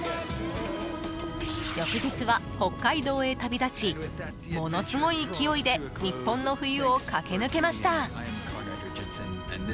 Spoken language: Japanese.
翌日は北海道へ旅立ちものすごい勢いで日本の冬を駆け抜けました。